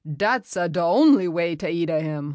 "Dat's a' da only way ta eata him."